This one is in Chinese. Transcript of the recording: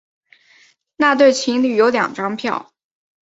那对情侣有两张票